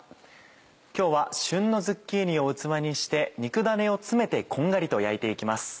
今日は旬のズッキーニを器にして肉ダネを詰めてこんがりと焼いて行きます。